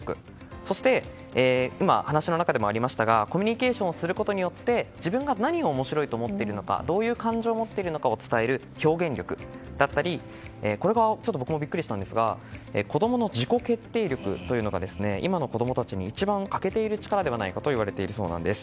そして、今話の中でもありましたがコミュニケーションをすることによって自分が何を面白いと思っているのかどういう感情を持っているのかを伝える表現力だったりこれは僕もビックリしたんですが子供の自己決定力というのが今の子供たちに一番欠けている力ではないかといわれているようなんです。